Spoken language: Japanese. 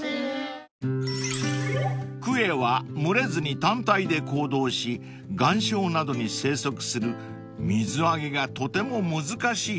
［クエは群れずに単体で行動し岩礁などに生息する水揚げがとても難しい魚］